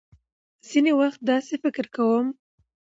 ځينې وخت داسې فکر کوم .